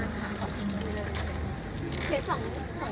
มันเป็นสิ่งที่จะให้ทุกคนรู้สึกว่า